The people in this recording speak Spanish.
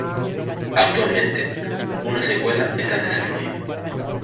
Actualmente, una secuela está en desarrollo.